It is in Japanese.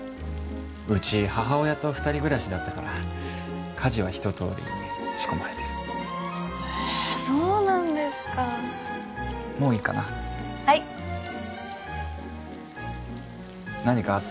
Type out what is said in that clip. うち母親と二人暮らしだったから家事はひととおり仕込まれてるへえそうなんですかもういいかなはい何かあった？